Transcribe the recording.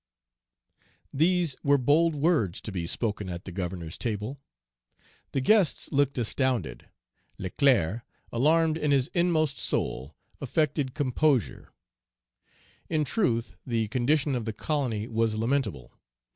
These were bold words to be spoken at the Governor's table. Page 250 The guests looked astounded. Leclerc, alarmed in his inmost soul, affected composure. In truth the condition of the colony was lamentable.